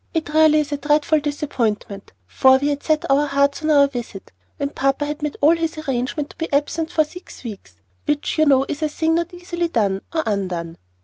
It really is a dreadful disappointment, for we had set our hearts on our visit, and papa had made all his arrangements to be absent for six weeks, which you know is a thing not easily done, or undone.